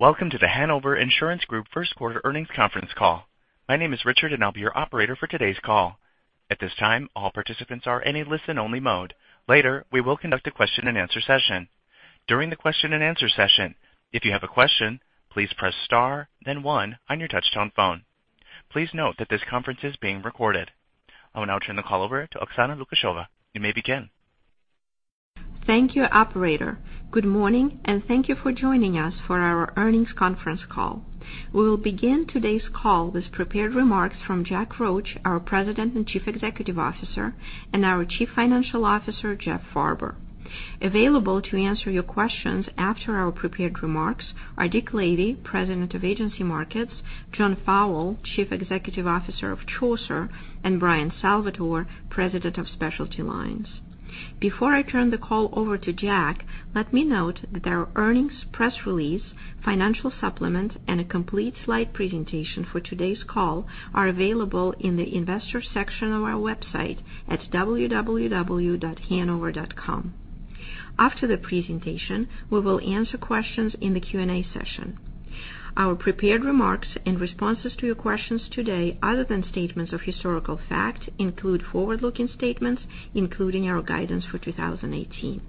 Welcome to The Hanover Insurance Group first quarter earnings conference call. My name is Richard and I will be your operator for today's call. At this time, all participants are in a listen only mode. Later, we will conduct a question and answer session. During the question and answer session, if you have a question, please press star then one on your touchtone phone. Please note that this conference is being recorded. I will now turn the call over to Oksana Lukasheva. You may begin. Thank you, operator. Good morning, and thank you for joining us for our earnings conference call. We will begin today's call with prepared remarks from Jack Roche, our President and Chief Executive Officer, and our Chief Financial Officer, Jeff Farber. Available to answer your questions after our prepared remarks are Dick Lavey, President of Agency Markets, John Fowle, Chief Executive Officer of Chaucer, and Bryan Salvatore, President of Specialty Lines. Before I turn the call over to Jack, let me note that our earnings press release, financial supplement, and a complete slide presentation for today's call are available in the investor section of our website at www.hanover.com. After the presentation, we will answer questions in the Q&A session. Our prepared remarks in responses to your questions today, other than statements of historical fact, include forward-looking statements, including our guidance for 2018.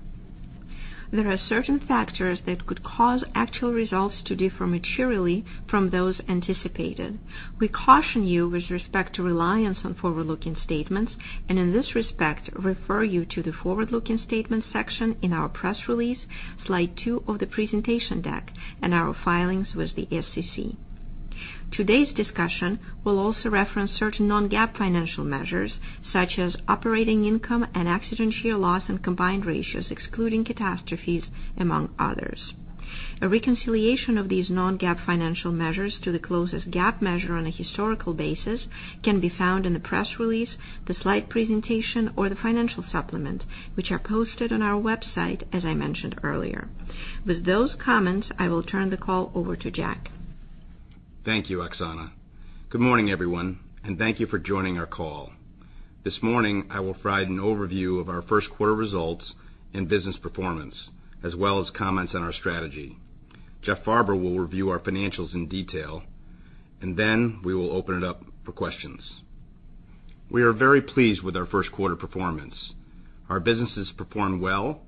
There are certain factors that could cause actual results to differ materially from those anticipated. We caution you with respect to reliance on forward-looking statements, and in this respect, refer you to the forward-looking statements section in our press release, slide two of the presentation deck, and our filings with the SEC. Today's discussion will also reference certain non-GAAP financial measures, such as operating income and accident year loss and combined ratios, excluding catastrophes, among others. A reconciliation of these non-GAAP financial measures to the closest GAAP measure on a historical basis can be found in the press release, the slide presentation, or the financial supplement, which are posted on our website as I mentioned earlier. With those comments, I will turn the call over to Jack. Thank you, Oksana. Good morning, everyone, and thank you for joining our call. This morning, I will provide an overview of our first quarter results and business performance, as well as comments on our strategy. Jeff Farber will review our financials in detail, and then we will open it up for questions. We are very pleased with our first quarter performance. Our businesses performed well,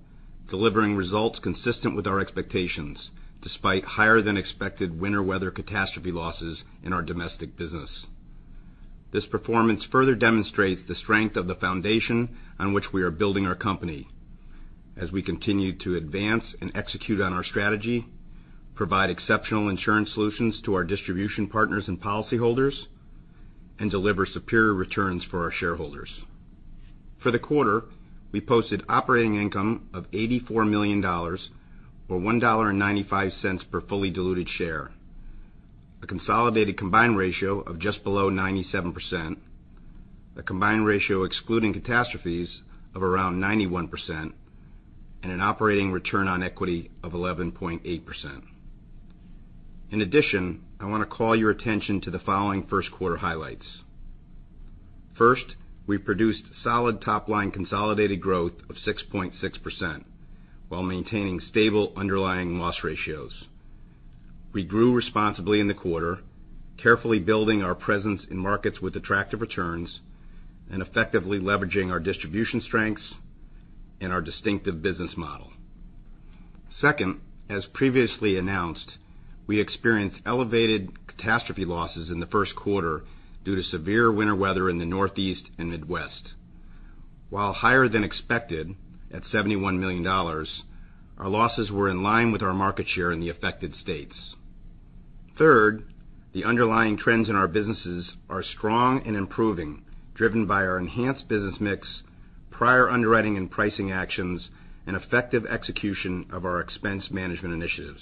delivering results consistent with our expectations, despite higher than expected winter weather catastrophe losses in our domestic business. This performance further demonstrates the strength of the foundation on which we are building our company as we continue to advance and execute on our strategy, provide exceptional insurance solutions to our distribution partners and policyholders, and deliver superior returns for our shareholders. For the quarter, we posted operating income of $84 million, or $1.95 per fully diluted share. A consolidated combined ratio of just below 97%, a combined ratio excluding catastrophes of around 91%, and an operating return on equity of 11.8%. In addition, I want to call your attention to the following first quarter highlights. First, we produced solid top-line consolidated growth of 6.6% while maintaining stable underlying loss ratios. We grew responsibly in the quarter, carefully building our presence in markets with attractive returns and effectively leveraging our distribution strengths and our distinctive business model. Second, as previously announced, we experienced elevated catastrophe losses in the first quarter due to severe winter weather in the Northeast and Midwest. While higher than expected at $71 million, our losses were in line with our market share in the affected states. Third, the underlying trends in our businesses are strong and improving, driven by our enhanced business mix, prior underwriting and pricing actions, and effective execution of our expense management initiatives.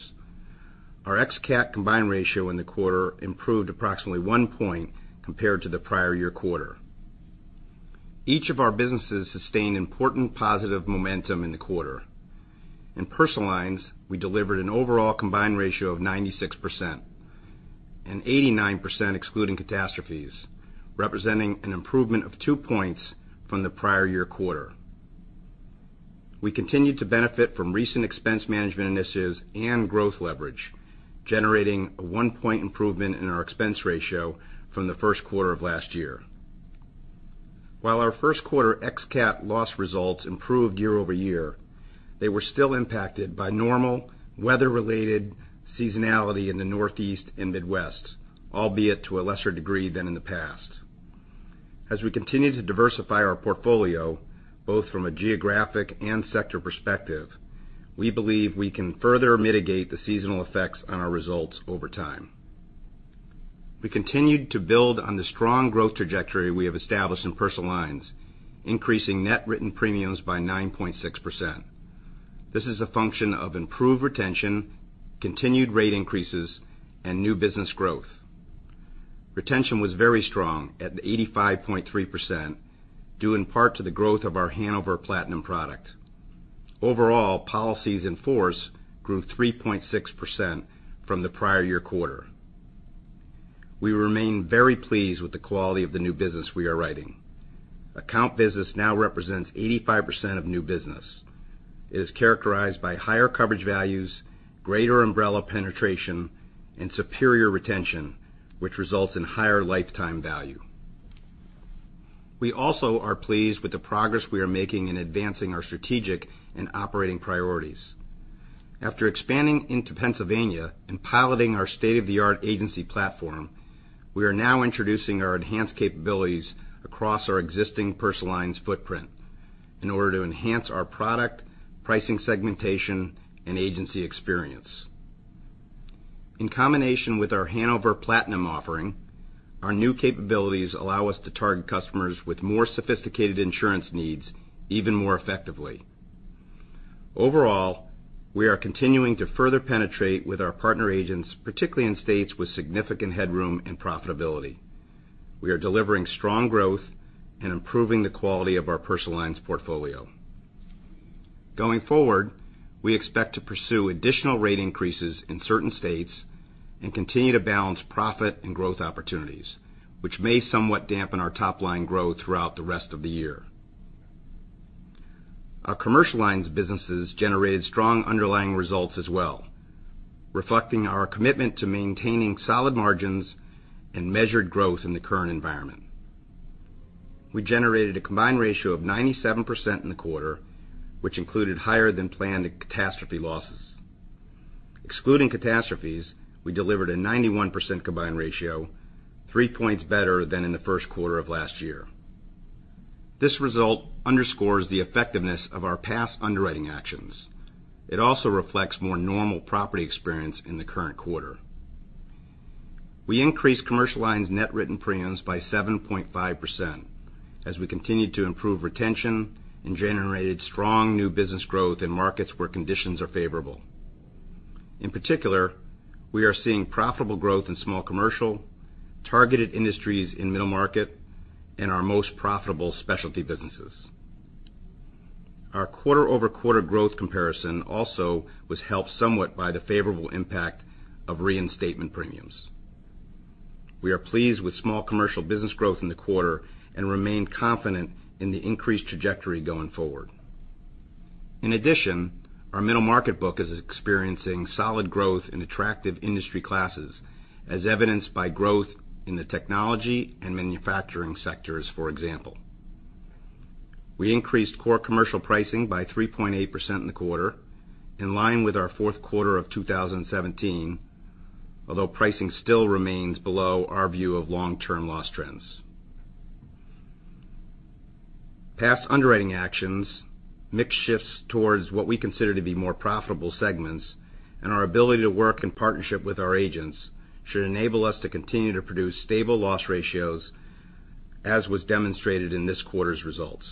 Our ex-cat combined ratio in the quarter improved approximately one point compared to the prior year quarter. Each of our businesses sustained important positive momentum in the quarter. In personal lines, we delivered an overall combined ratio of 96% and 89% excluding catastrophes, representing an improvement of two points from the prior year quarter. We continued to benefit from recent expense management initiatives and growth leverage, generating a one-point improvement in our expense ratio from the first quarter of last year. While our first quarter ex-cat loss results improved year-over-year, they were still impacted by normal weather-related seasonality in the Northeast and Midwest, albeit to a lesser degree than in the past. As we continue to diversify our portfolio, both from a geographic and sector perspective, we believe we can further mitigate the seasonal effects on our results over time. We continued to build on the strong growth trajectory we have established in personal lines, increasing net written premiums by 9.6%. This is a function of improved retention, continued rate increases, and new business growth. Retention was very strong at 85.3%, due in part to the growth of our Hanover Platinum product. Overall, policies in force grew 3.6% from the prior year quarter. We remain very pleased with the quality of the new business we are writing. Account business now represents 85% of new business. It is characterized by higher coverage values, greater umbrella penetration, and superior retention, which results in higher lifetime value. We also are pleased with the progress we are making in advancing our strategic and operating priorities. After expanding into Pennsylvania and piloting our state-of-the-art agency platform, we are now introducing our enhanced capabilities across our existing personal lines footprint in order to enhance our product, pricing segmentation, and agency experience. In combination with our Hanover Platinum offering, our new capabilities allow us to target customers with more sophisticated insurance needs even more effectively. Overall, we are continuing to further penetrate with our partner agents, particularly in states with significant headroom and profitability. We are delivering strong growth and improving the quality of our personal lines portfolio. Going forward, we expect to pursue additional rate increases in certain states and continue to balance profit and growth opportunities, which may somewhat dampen our top-line growth throughout the rest of the year. Our commercial lines businesses generated strong underlying results as well, reflecting our commitment to maintaining solid margins and measured growth in the current environment. We generated a combined ratio of 97% in the quarter, which included higher than planned catastrophe losses. Excluding catastrophes, we delivered a 91% combined ratio, three points better than in the first quarter of last year. This result underscores the effectiveness of our past underwriting actions. It also reflects more normal property experience in the current quarter. We increased commercial lines' net written premiums by 7.5% as we continued to improve retention and generated strong new business growth in markets where conditions are favorable. In particular, we are seeing profitable growth in small commercial, targeted industries in middle market, and our most profitable specialty businesses. Our quarter-over-quarter growth comparison also was helped somewhat by the favorable impact of reinstatement premiums. We are pleased with small commercial business growth in the quarter and remain confident in the increased trajectory going forward. Our middle market book is experiencing solid growth in attractive industry classes, as evidenced by growth in the technology and manufacturing sectors, for example. We increased core commercial pricing by 3.8% in the quarter, in line with our fourth quarter of 2017, although pricing still remains below our view of long-term loss trends. Past underwriting actions, mix shifts towards what we consider to be more profitable segments, and our ability to work in partnership with our agents should enable us to continue to produce stable loss ratios, as was demonstrated in this quarter's results.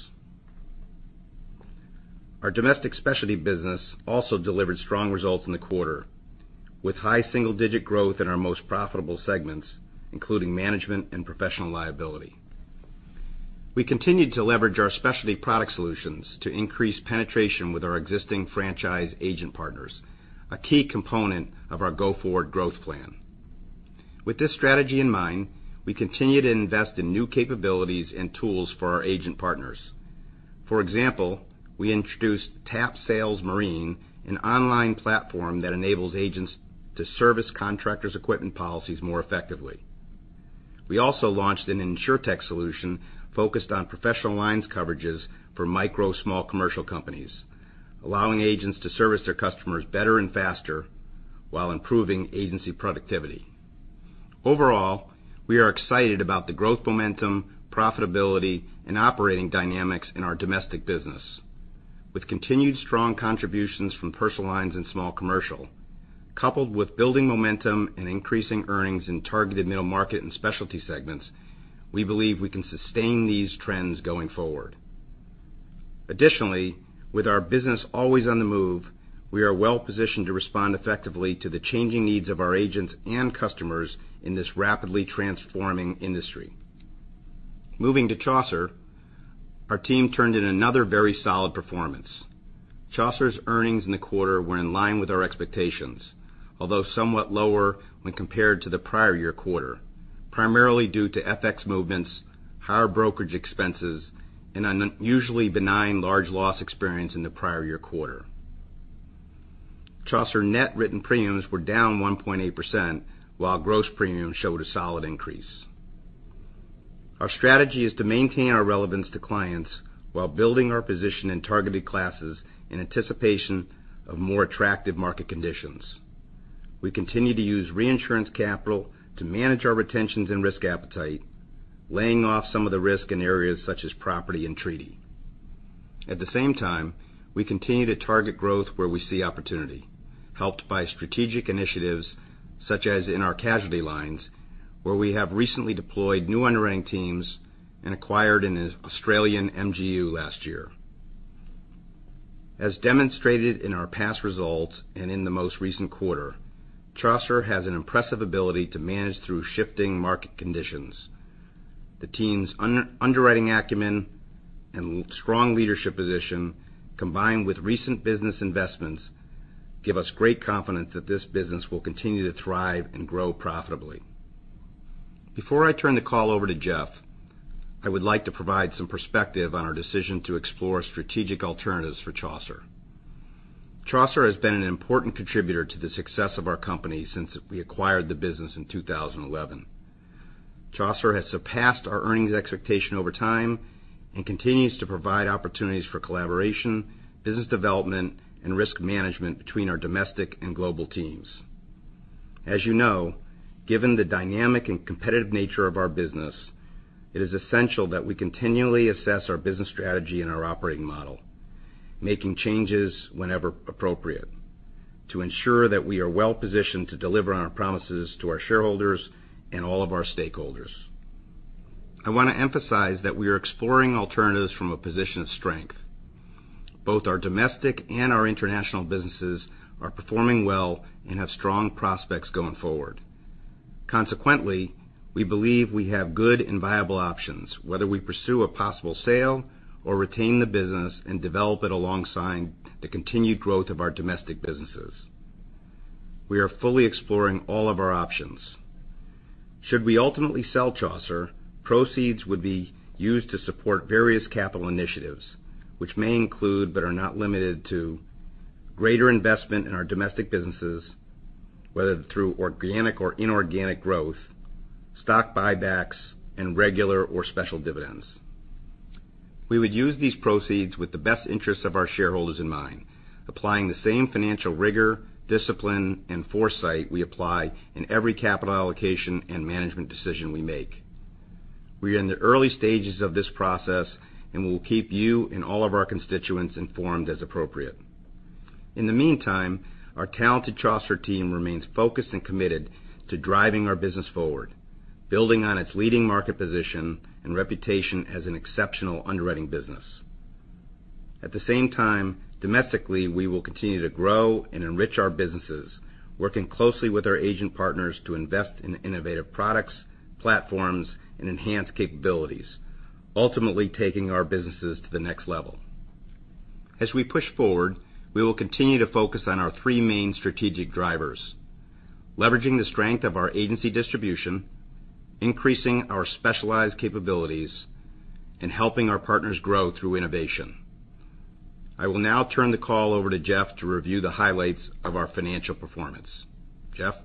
Our domestic specialty business also delivered strong results in the quarter, with high single-digit growth in our most profitable segments, including management and professional liability. We continued to leverage our specialty product solutions to increase penetration with our existing franchise agent partners, a key component of our go-forward growth plan. With this strategy in mind, we continue to invest in new capabilities and tools for our agent partners. For example, we introduced TAP Sales Marine, an online platform that enables agents to service contractors' equipment policies more effectively. We also launched an InsurTech solution focused on professional lines coverages for micro small commercial companies, allowing agents to service their customers better and faster while improving agency productivity. Overall, we are excited about the growth momentum, profitability, and operating dynamics in our domestic business. With continued strong contributions from personal lines and small commercial, coupled with building momentum and increasing earnings in targeted middle market and specialty segments, we believe we can sustain these trends going forward. With our business always on the move, we are well-positioned to respond effectively to the changing needs of our agents and customers in this rapidly transforming industry. Moving to Chaucer, our team turned in another very solid performance. Chaucer's earnings in the quarter were in line with our expectations, although somewhat lower when compared to the prior year quarter, primarily due to FX movements, higher brokerage expenses, and an unusually benign large loss experience in the prior year quarter. Chaucer net written premiums were down 1.8%, while gross premiums showed a solid increase. Our strategy is to maintain our relevance to clients while building our position in targeted classes in anticipation of more attractive market conditions. We continue to use reinsurance capital to manage our retentions and risk appetite, laying off some of the risk in areas such as property and treaty. At the same time, we continue to target growth where we see opportunity, helped by strategic initiatives such as in our casualty lines, where we have recently deployed new underwriting teams and acquired an Australian MGU last year. As demonstrated in our past results and in the most recent quarter, Chaucer has an impressive ability to manage through shifting market conditions. The team's underwriting acumen and strong leadership position, combined with recent business investments, give us great confidence that this business will continue to thrive and grow profitably. Before I turn the call over to Jeff, I would like to provide some perspective on our decision to explore strategic alternatives for Chaucer. Chaucer has been an important contributor to the success of our company since we acquired the business in 2011. Chaucer has surpassed our earnings expectation over time and continues to provide opportunities for collaboration, business development, and risk management between our domestic and global teams. As you know, given the dynamic and competitive nature of our business, it is essential that we continually assess our business strategy and our operating model, making changes whenever appropriate to ensure that we are well-positioned to deliver on our promises to our shareholders and all of our stakeholders. I want to emphasize that we are exploring alternatives from a position of strength. Both our domestic and our international businesses are performing well and have strong prospects going forward. Consequently, we believe we have good and viable options, whether we pursue a possible sale or retain the business and develop it alongside the continued growth of our domestic businesses. We are fully exploring all of our options. Should we ultimately sell Chaucer, proceeds would be used to support various capital initiatives, which may include but are not limited to greater investment in our domestic businesses, whether through organic or inorganic growth, stock buybacks, and regular or special dividends. We would use these proceeds with the best interests of our shareholders in mind, applying the same financial rigor, discipline, and foresight we apply in every capital allocation and management decision we make. We are in the early stages of this process. We will keep you and all of our constituents informed as appropriate. In the meantime, our talented Chaucer team remains focused and committed to driving our business forward, building on its leading market position and reputation as an exceptional underwriting business. At the same time, domestically, we will continue to grow and enrich our businesses, working closely with our agent partners to invest in innovative products, platforms, and enhance capabilities, ultimately taking our businesses to the next level. As we push forward, we will continue to focus on our three main strategic drivers: leveraging the strength of our agency distribution, increasing our specialized capabilities, and helping our partners grow through innovation. I will now turn the call over to Jeff to review the highlights of our financial performance. Jeff?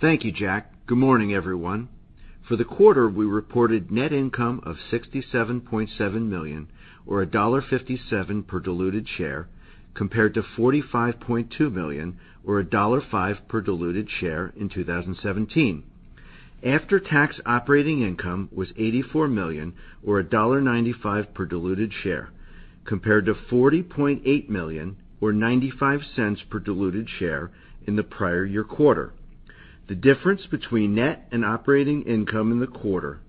Thank you, Jack. Good morning, everyone. For the quarter, we reported net income of $67.7 million, or $1.57 per diluted share, compared to $45.2 million or $1.05 per diluted share in 2017. After-tax operating income was $84 million or $1.95 per diluted share, compared to $40.8 million or $0.95 per diluted share in the prior year quarter. The difference between net and operating income in the quarter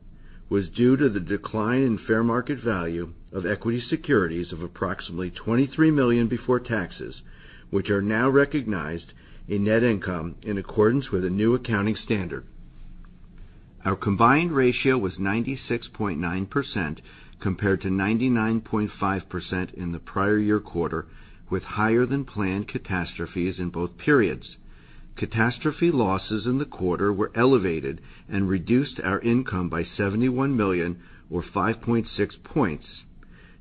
was due to the decline in fair market value of equity securities of approximately $23 million before taxes, which are now recognized in net income in accordance with a new accounting standard. Our combined ratio was 96.9%, compared to 99.5% in the prior year quarter, with higher-than-planned catastrophes in both periods. Catastrophe losses in the quarter were elevated and reduced our income by $71 million or 5.6 points.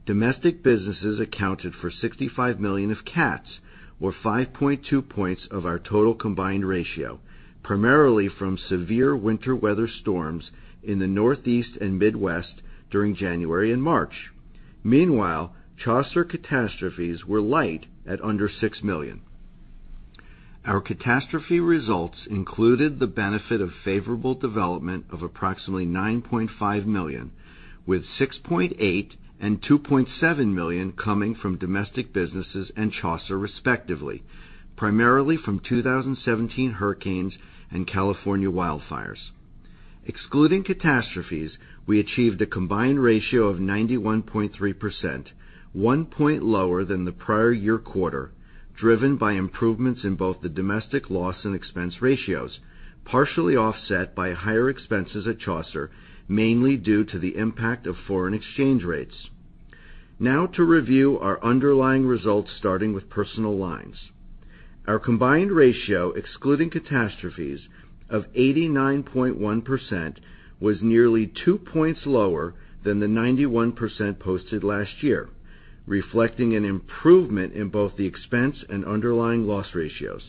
Domestic businesses accounted for $65 million of cats, or 5.2 points of our total combined ratio, primarily from severe winter weather storms in the Northeast and Midwest during January and March. Chaucer catastrophes were light at under $6 million. Our catastrophe results included the benefit of favorable development of approximately $9.5 million, with $6.8 million and $2.7 million coming from domestic businesses and Chaucer, respectively, primarily from 2017 hurricanes and California wildfires. Excluding catastrophes, we achieved a combined ratio of 91.3%, one point lower than the prior year quarter, driven by improvements in both the domestic loss and expense ratios, partially offset by higher expenses at Chaucer, mainly due to the impact of foreign exchange rates. To review our underlying results, starting with personal lines. Our combined ratio, excluding catastrophes of 89.1%, was nearly two points lower than the 91% posted last year, reflecting an improvement in both the expense and underlying loss ratios.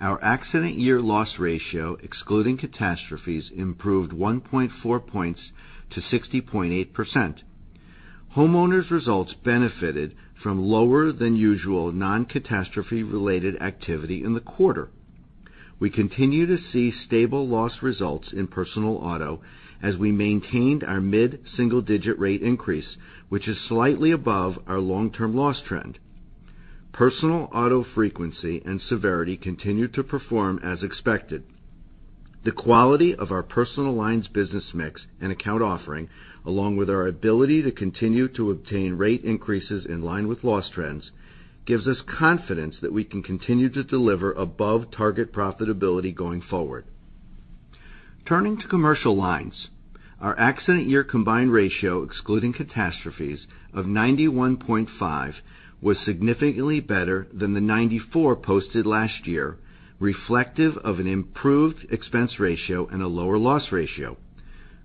Our accident year loss ratio, excluding catastrophes, improved 1.4 points to 60.8%. Homeowners' results benefited from lower than usual non-catastrophe-related activity in the quarter. We continue to see stable loss results in personal auto as we maintained our mid-single-digit rate increase, which is slightly above our long-term loss trend. Personal auto frequency and severity continued to perform as expected. The quality of our personal lines business mix and account offering, along with our ability to continue to obtain rate increases in line with loss trends, gives us confidence that we can continue to deliver above-target profitability going forward. Turning to Commercial Lines, our accident year combined ratio, excluding catastrophes of 91.5%, was significantly better than the 94% posted last year, reflective of an improved expense ratio and a lower loss ratio.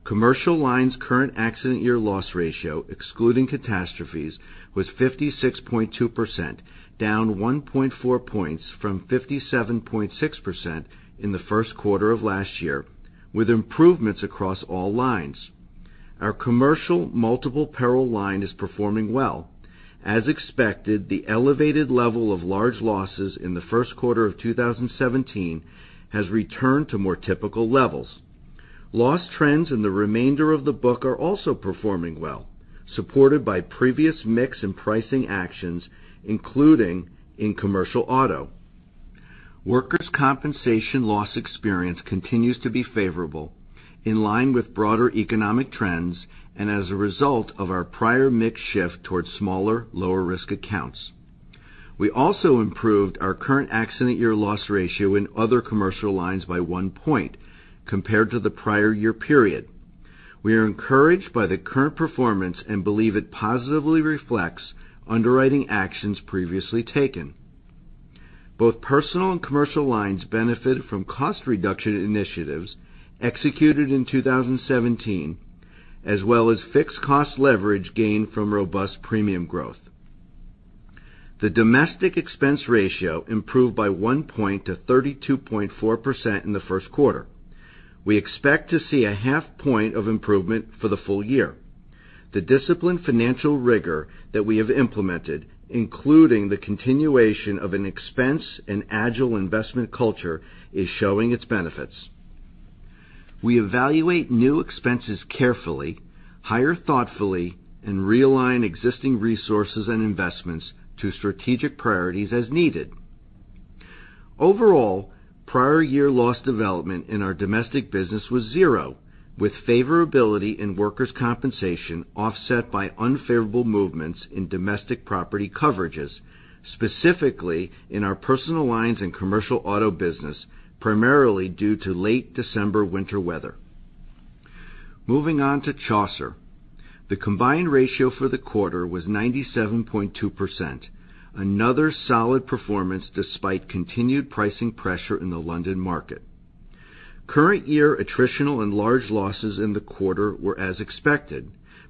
Commercial Lines current accident year loss ratio, excluding catastrophes, was 56.2%, down 1.4 points from 57.6% in the first quarter of last year, with improvements across all lines. Our commercial multiple peril line is performing well. As expected, the elevated level of large losses in the first quarter of 2017 has returned to more typical levels. Loss trends in the remainder of the book are also performing well, supported by previous mix and pricing actions, including in commercial auto. Workers' compensation loss experience continues to be favorable in line with broader economic trends and as a result of our prior mix shift towards smaller, lower risk accounts. We also improved our current accident year loss ratio in other commercial lines by one point compared to the prior year period. We are encouraged by the current performance and believe it positively reflects underwriting actions previously taken. Both personal and commercial lines benefited from cost reduction initiatives executed in 2017, as well as fixed cost leverage gained from robust premium growth. The domestic expense ratio improved by one point to 32.4% in the first quarter. We expect to see a half point of improvement for the full year. The disciplined financial rigor that we have implemented, including the continuation of an expense and agile investment culture, is showing its benefits. We evaluate new expenses carefully, hire thoughtfully, and realign existing resources and investments to strategic priorities as needed. Overall, prior year loss development in our domestic business was zero, with favorability in workers' compensation offset by unfavorable movements in domestic property coverages, specifically in our personal lines and commercial auto business, primarily due to late December winter weather. Moving on to Chaucer. The combined ratio for the quarter was 97.2%, another solid performance despite continued pricing pressure in the London market. Current year attritional and large losses in the quarter were as expected,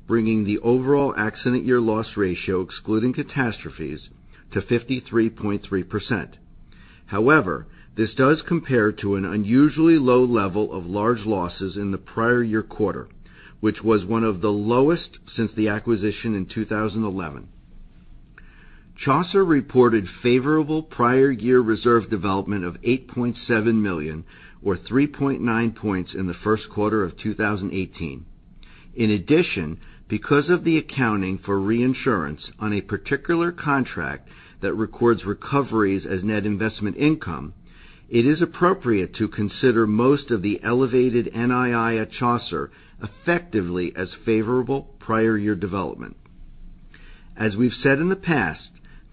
bringing the overall accident year loss ratio excluding catastrophes to 53.3%. However, this does compare to an unusually low level of large losses in the prior year quarter, which was one of the lowest since the acquisition in 2011. Chaucer reported favorable prior year reserve development of $8.7 million, or 3.9 points in the first quarter of 2018. In addition, because of the accounting for reinsurance on a particular contract that records recoveries as net investment income, it is appropriate to consider most of the elevated NII at Chaucer effectively as favorable prior year development. As we've said in the past,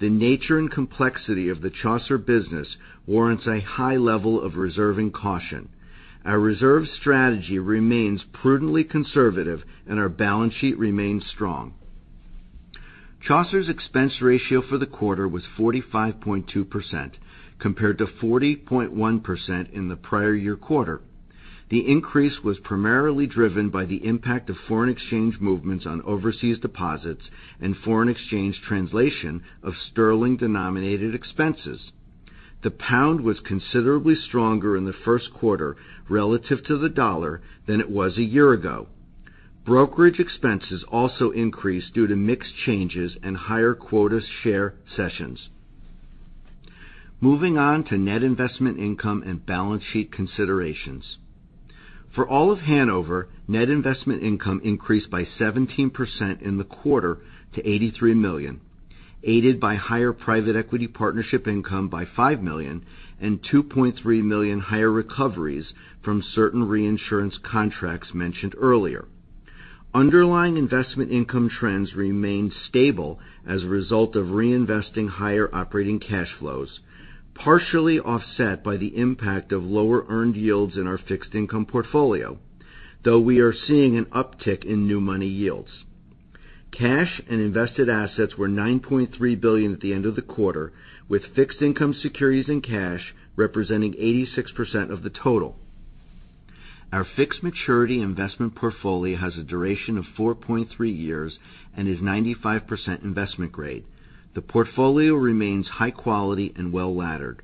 the nature and complexity of the Chaucer business warrants a high level of reserving caution. Our reserve strategy remains prudently conservative and our balance sheet remains strong. Chaucer's expense ratio for the quarter was 45.2%, compared to 40.1% in the prior year quarter. The increase was primarily driven by the impact of foreign exchange movements on overseas deposits and foreign exchange translation of sterling-denominated expenses. The pound was considerably stronger in the first quarter relative to the dollar than it was a year ago. Brokerage expenses also increased due to mix changes and higher quota share cessions. Moving on to net investment income and balance sheet considerations. For all of Hanover, net investment income increased by 17% in the quarter to $83 million, aided by higher private equity partnership income by $5 million and $2.3 million higher recoveries from certain reinsurance contracts mentioned earlier. Underlying investment income trends remained stable as a result of reinvesting higher operating cash flows, partially offset by the impact of lower earned yields in our fixed income portfolio, though we are seeing an uptick in new money yields. Cash and invested assets were $9.3 billion at the end of the quarter, with fixed income securities and cash representing 86% of the total. Our fixed maturity investment portfolio has a duration of 4.3 years and is 95% investment grade. The portfolio remains high quality and well-laddered.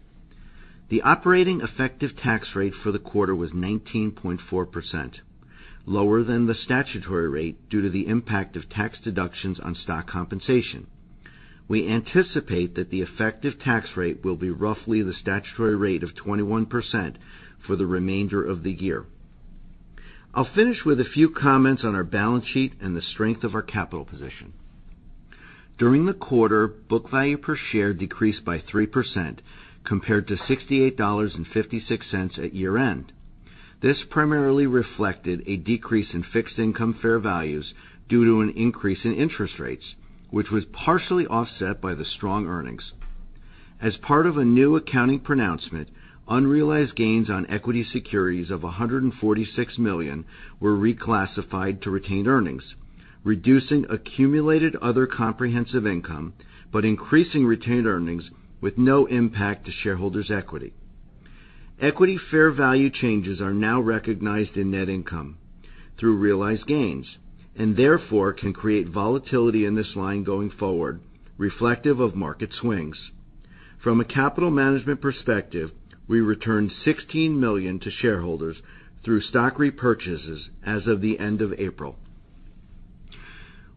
The operating effective tax rate for the quarter was 19.4%, lower than the statutory rate due to the impact of tax deductions on stock compensation. We anticipate that the effective tax rate will be roughly the statutory rate of 21% for the remainder of the year. I'll finish with a few comments on our balance sheet and the strength of our capital position. During the quarter, book value per share decreased by 3% compared to $68.56 at year-end. This primarily reflected a decrease in fixed income fair values due to an increase in interest rates, which was partially offset by the strong earnings. As part of a new accounting pronouncement, unrealized gains on equity securities of $146 million were reclassified to retained earnings, reducing accumulated other comprehensive income, but increasing retained earnings with no impact to shareholders' equity. Equity fair value changes are now recognized in net income through realized gains, therefore can create volatility in this line going forward, reflective of market swings. From a capital management perspective, we returned $16 million to shareholders through stock repurchases as of the end of April.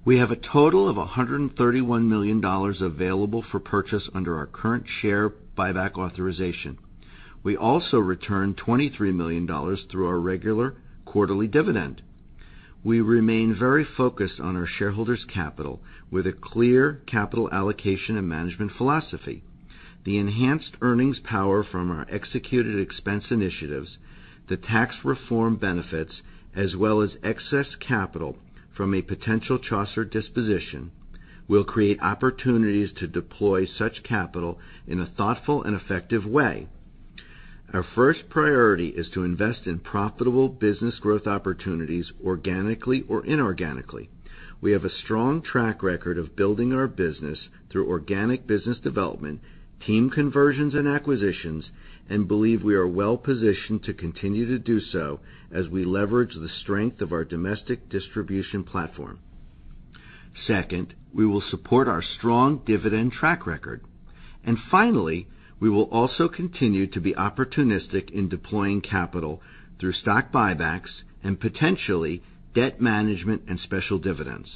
We have a total of $131 million available for purchase under our current share buyback authorization. We also returned $23 million through our regular quarterly dividend. We remain very focused on our shareholders' capital with a clear capital allocation and management philosophy. The enhanced earnings power from our executed expense initiatives, the tax reform benefits, as well as excess capital from a potential Chaucer disposition, will create opportunities to deploy such capital in a thoughtful and effective way. Our first priority is to invest in profitable business growth opportunities, organically or inorganically. We have a strong track record of building our business through organic business development, team conversions, and acquisitions, and believe we are well-positioned to continue to do so as we leverage the strength of our domestic distribution platform. Second, we will support our strong dividend track record. Finally, we will also continue to be opportunistic in deploying capital through stock buybacks and potentially debt management and special dividends.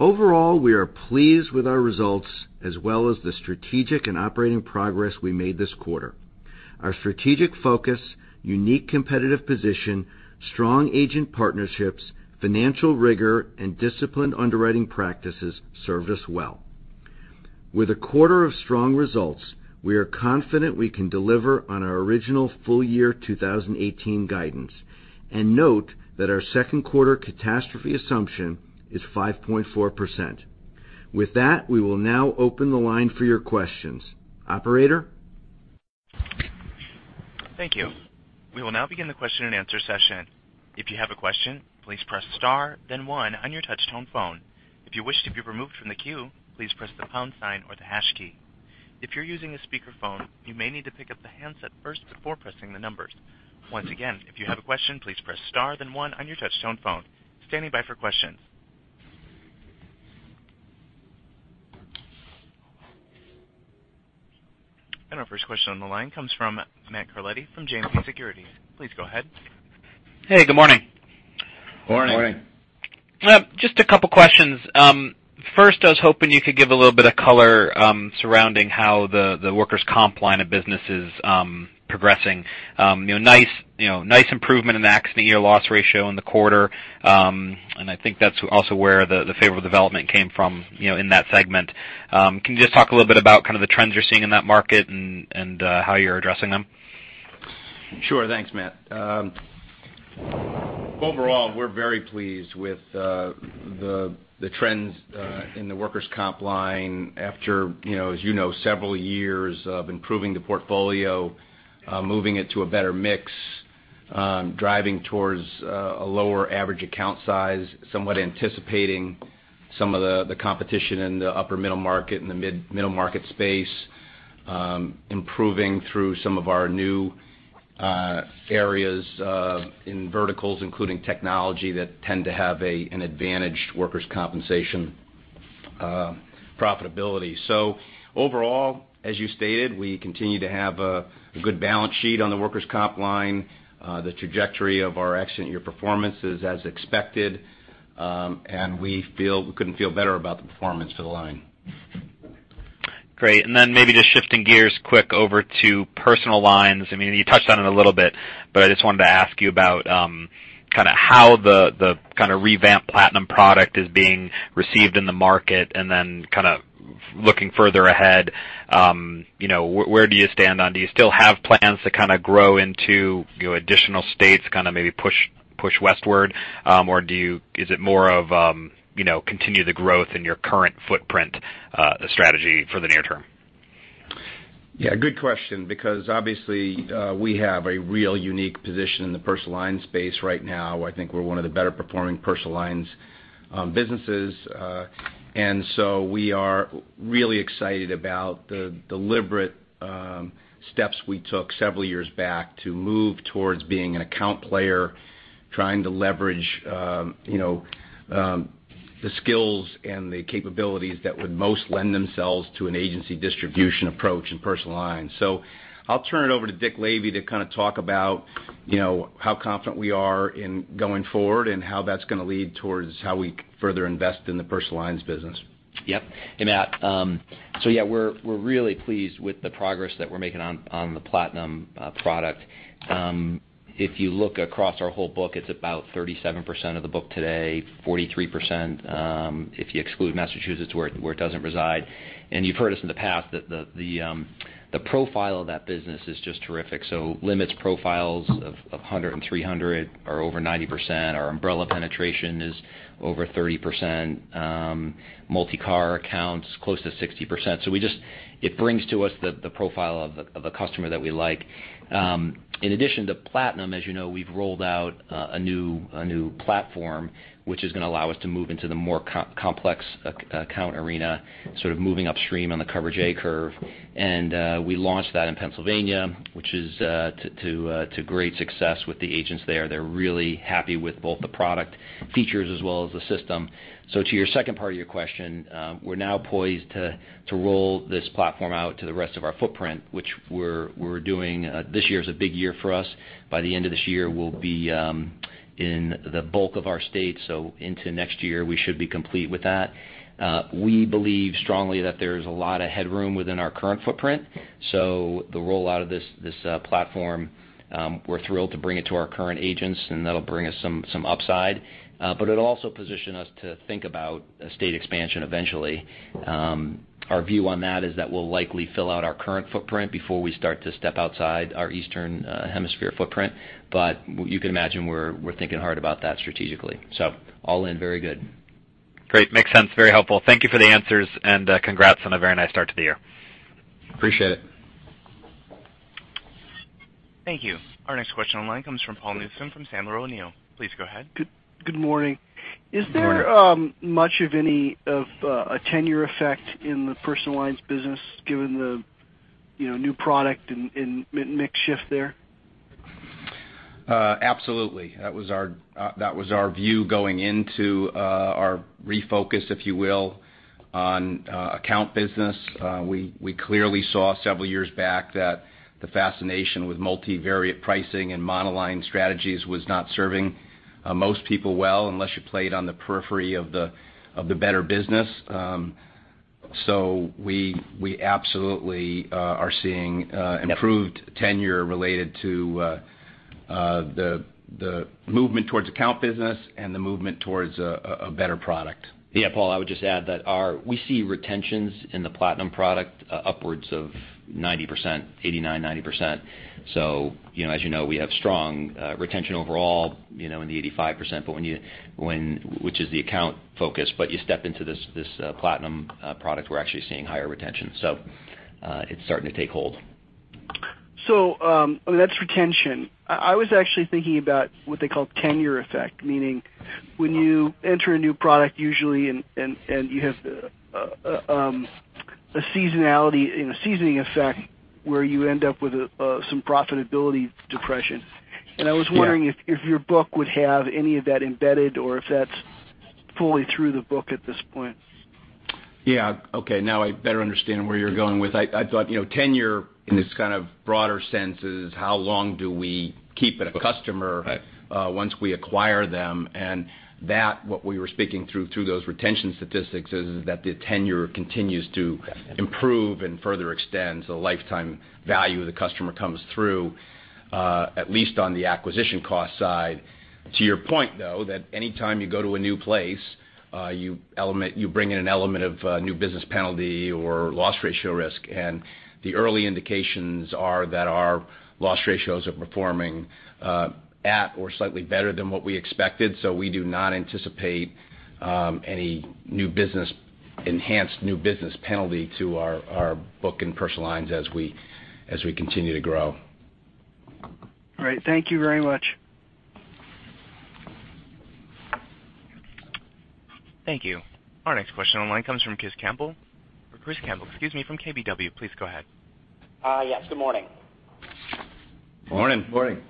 Overall, we are pleased with our results as well as the strategic and operating progress we made this quarter. Our strategic focus, unique competitive position, strong agent partnerships, financial rigor, and disciplined underwriting practices served us well. With a quarter of strong results, we are confident we can deliver on our original full year 2018 guidance. Note that our second quarter catastrophe assumption is 5.4%. With that, we will now open the line for your questions. Operator? Thank you. We will now begin the question and answer session. If you have a question, please press star then one on your touch-tone phone. If you wish to be removed from the queue, please press the pound sign or the hash key. If you're using a speakerphone, you may need to pick up the handset first before pressing the numbers. Once again, if you have a question, please press star then one on your touch-tone phone. Standing by for questions. Our first question on the line comes from Matthew Carletti from JMP Securities. Please go ahead. Hey, good morning. Morning. Morning. Just a couple of questions. First, I was hoping you could give a little bit of color surrounding how the workers' comp line of business is progressing. Nice improvement in the accident year loss ratio in the quarter. I think that's also where the favorable development came from in that segment. Can you just talk a little bit about kind of the trends you're seeing in that market and how you're addressing them? Sure. Thanks, Matt. Overall, we're very pleased with the trends in the workers' comp line after, as you know, several years of improving the portfolio, moving it to a better mix, driving towards a lower average account size, somewhat anticipating some of the competition in the upper middle market and the middle market space, improving through some of our new areas in verticals, including technology that tend to have an advantaged workers' compensation profitability. Overall, as you stated, we continue to have a good balance sheet on the workers' comp line. The trajectory of our accident year performance is as expected. We couldn't feel better about the performance for the line. Great. Then maybe just shifting gears quick over to personal lines. You touched on it a little bit, but I just wanted to ask you about how the revamped Platinum product is being received in the market. Then looking further ahead, do you still have plans to grow into additional states, maybe push westward? Is it more of continue the growth in your current footprint strategy for the near term? Good question, because obviously, we have a real unique position in the personal line space right now. I think we're one of the better-performing personal lines businesses. We are really excited about the deliberate steps we took several years back to move towards being an account player, trying to leverage the skills and the capabilities that would most lend themselves to an agency distribution approach in personal lines. I'll turn it over to Dick Lavey to talk about how confident we are in going forward and how that's going to lead towards how we further invest in the personal lines business. Yep. Hey, Matt. We're really pleased with the progress that we're making on the Platinum product. If you look across our whole book, it's about 37% of the book today, 43% if you exclude Massachusetts, where it doesn't reside. And you've heard us in the past that the The profile of that business is just terrific. Limits profiles of $100 and $300 are over 90%. Our umbrella penetration is over 30%. Multi-car accounts, close to 60%. It brings to us the profile of a customer that we like. In addition to Platinum, as you know, we've rolled out a new platform which is going to allow us to move into the more complex account arena, sort of moving upstream on the Coverage A curve. We launched that in Pennsylvania, which is to great success with the agents there. They're really happy with both the product features as well as the system. To your second part of your question, we're now poised to roll this platform out to the rest of our footprint, which we're doing. This year is a big year for us. By the end of this year, we'll be in the bulk of our states. Into next year, we should be complete with that. We believe strongly that there's a lot of headroom within our current footprint. The rollout of this platform, we're thrilled to bring it to our current agents, and that'll bring us some upside. It'll also position us to think about state expansion eventually. Sure. Our view on that is that we'll likely fill out our current footprint before we start to step outside our Eastern Seaboard footprint. You can imagine we're thinking hard about that strategically. All in very good. Great. Makes sense. Very helpful. Thank you for the answers, and congrats on a very nice start to the year. Appreciate it. Thank you. Our next question online comes from Paul Newsome from Sandler O'Neill. Please go ahead. Good morning. Good morning. Is there much of any of a tenure effect in the personal lines business given the new product and mix shift there? Absolutely. That was our view going into our refocus, if you will, on account business. We clearly saw several years back that the fascination with multivariate pricing and monoline strategies was not serving most people well unless you played on the periphery of the better business. We absolutely are seeing improved tenure related to the movement towards account business and the movement towards a better product. Yeah, Paul, I would just add that we see retentions in the Platinum product upwards of 90%, 89%, 90%. As you know, we have strong retention overall in the 85%, which is the account focus. You step into this Platinum product, we're actually seeing higher retention. It's starting to take hold. That's retention. I was actually thinking about what they call tenure effect, meaning when you enter a new product usually, and you have a seasonality and a seasoning effect where you end up with some profitability depression. Yeah. I was wondering if your book would have any of that embedded or if that's fully through the book at this point. Yeah. Okay. Now I better understand where you're going with. I thought tenure in this kind of broader sense is how long do we keep a customer. Right once we acquire them. That what we were speaking through those retention statistics is that the tenure continues to improve and further extends the lifetime value of the customer comes through, at least on the acquisition cost side. To your point, though, that anytime you go to a new place, you bring in an element of new business penalty or loss ratio risk. The early indications are that our loss ratios are performing at or slightly better than what we expected. We do not anticipate any enhanced new business penalty to our book and personal lines as we continue to grow. Great. Thank you very much. Thank you. Our next question online comes from Chris Campbell from KBW. Please go ahead. Yes, good morning. Morning. Morning.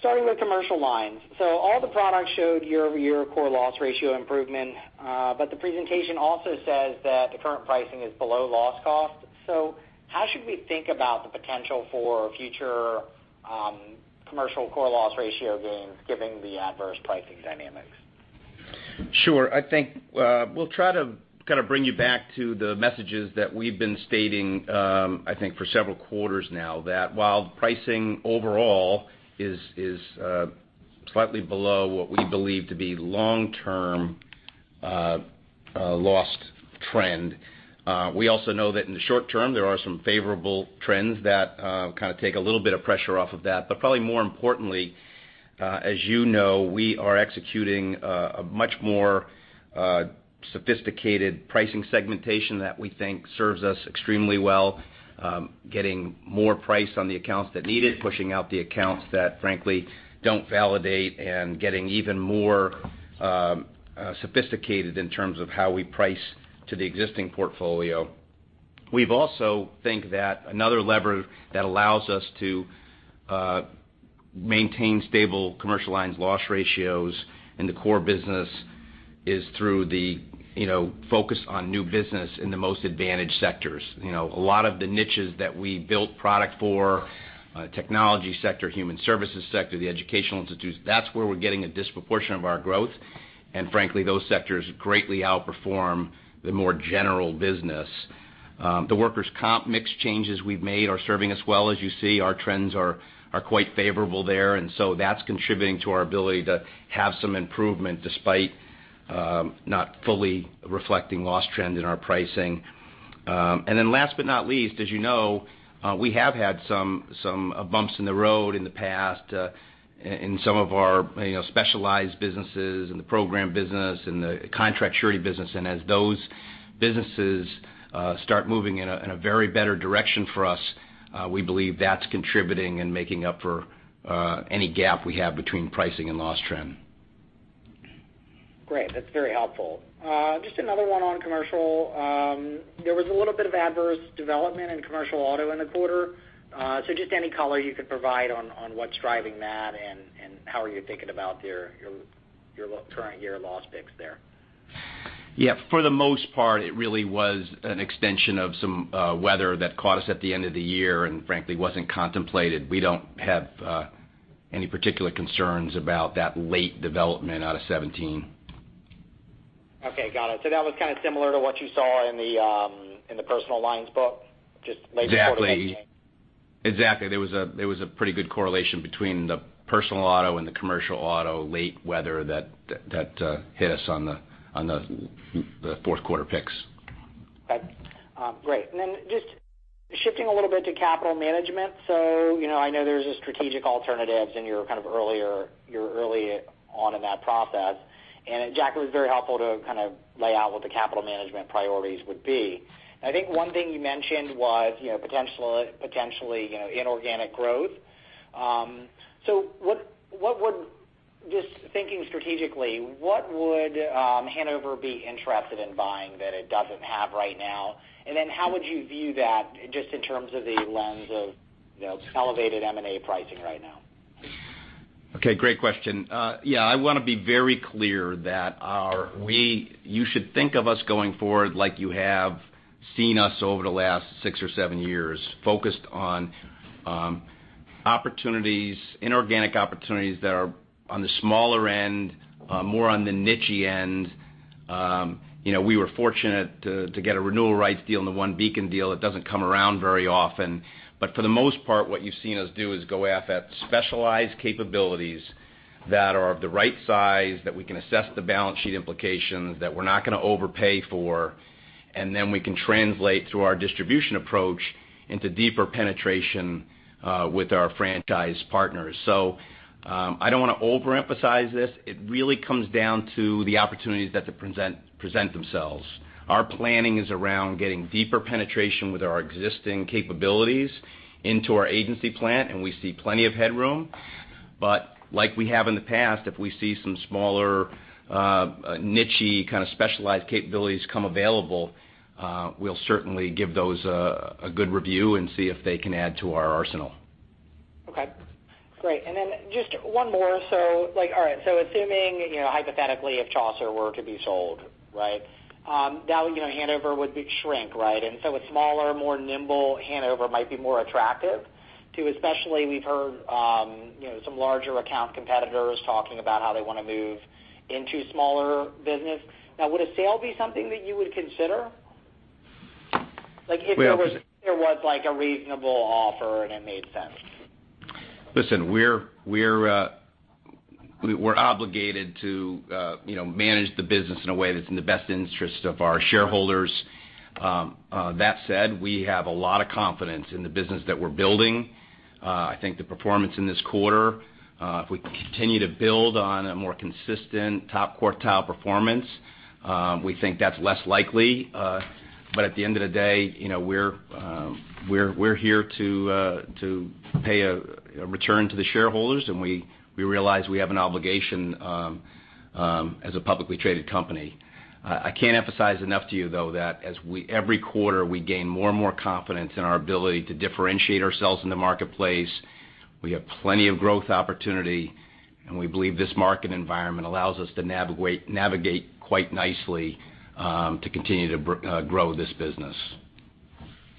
Starting with commercial lines. All the products showed year-over-year core loss ratio improvement. The presentation also says that the current pricing is below loss cost. How should we think about the potential for future commercial core loss ratio gains given the adverse pricing dynamics? Sure. I think we'll try to kind of bring you back to the messages that we've been stating, I think, for several quarters now. While pricing overall is slightly below what we believe to be long-term loss trend, we also know that in the short term, there are some favorable trends that kind of take a little bit of pressure off of that. Probably more importantly, as you know, we are executing a much more sophisticated pricing segmentation that we think serves us extremely well. Getting more price on the accounts that need it, pushing out the accounts that frankly don't validate, and getting even more sophisticated in terms of how we price to the existing portfolio. We also think that another lever that allows us to maintain stable commercial lines loss ratios in the core business is through the focus on new business in the most advantaged sectors. A lot of the niches that we built product for, technology sector, human services sector, the educational institutes, that's where we're getting a disproportion of our growth. Frankly, those sectors greatly outperform the more general business. The workers' comp mix changes we've made are serving us well. As you see, our trends are quite favorable there, that's contributing to our ability to have some improvement despite Not fully reflecting loss trend in our pricing. Last but not least, as you know, we have had some bumps in the road in the past in some of our specialized businesses and the program business and the contract surety business. As those businesses start moving in a very better direction for us, we believe that's contributing and making up for any gap we have between pricing and loss trend. Great. That's very helpful. Just another one on commercial. There was a little bit of adverse development in commercial auto in the quarter. Just any color you could provide on what's driving that and how are you thinking about your current year loss picks there? Yeah. For the most part, it really was an extension of some weather that caught us at the end of the year and frankly, wasn't contemplated. We don't have any particular concerns about that late development out of 2017. Okay, got it. That was kind of similar to what you saw in the personal lines book, just late quarter- Exactly. There was a pretty good correlation between the personal auto and the commercial auto late weather that hit us on the fourth quarter picks. Okay, great. Just shifting a little bit to capital management. I know there's a strategic alternatives and you're early on in that process. Jack, it was very helpful to kind of lay out what the capital management priorities would be. I think one thing you mentioned was potentially inorganic growth. Just thinking strategically, what would Hanover be interested in buying that it doesn't have right now? How would you view that just in terms of the lens of elevated M&A pricing right now? Okay, great question. I want to be very clear that you should think of us going forward like you have seen us over the last six or seven years, focused on inorganic opportunities that are on the smaller end, more on the niche end. We were fortunate to get a renewal rights deal in the OneBeacon deal. It doesn't come around very often. For the most part, what you've seen us do is go after specialized capabilities that are of the right size, that we can assess the balance sheet implications, that we're not going to overpay for, we can translate through our distribution approach into deeper penetration with our franchise partners. I don't want to overemphasize this. It really comes down to the opportunities that present themselves. Our planning is around getting deeper penetration with our existing capabilities into our agency plan. We see plenty of headroom. Like we have in the past, if we see some smaller niche kind of specialized capabilities come available, we'll certainly give those a good review and see if they can add to our arsenal. Okay, great. Just one more. Assuming hypothetically, if Chaucer were to be sold, right? Hanover would shrink, right? A smaller, more nimble Hanover might be more attractive to especially we've heard some larger account competitors talking about how they want to move into smaller business. Would a sale be something that you would consider? Like if there was a reasonable offer and it made sense. Listen, we're obligated to manage the business in a way that's in the best interest of our shareholders. That said, we have a lot of confidence in the business that we're building. I think the performance in this quarter, if we can continue to build on a more consistent top quartile performance, we think that's less likely. At the end of the day, we're here to pay a return to the shareholders, and we realize we have an obligation as a publicly traded company. I can't emphasize enough to you, though, that every quarter we gain more and more confidence in our ability to differentiate ourselves in the marketplace. We have plenty of growth opportunity, and we believe this market environment allows us to navigate quite nicely to continue to grow this business.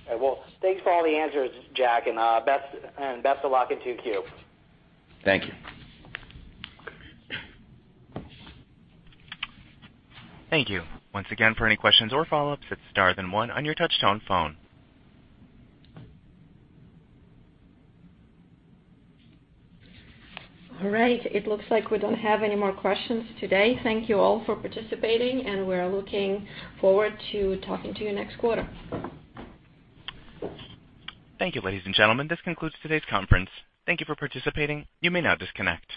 Well, thanks for all the answers, Jack, and best of luck in 2Q. Thank you. Thank you. Once again, for any questions or follow-ups, it's star then one on your touchtone phone. All right. It looks like we don't have any more questions today. Thank you all for participating, and we're looking forward to talking to you next quarter. Thank you, ladies and gentlemen. This concludes today's conference. Thank you for participating. You may now disconnect.